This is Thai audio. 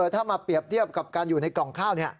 ถ้ามาเปรียบเทียบกับการอยู่ในกล่องข้าว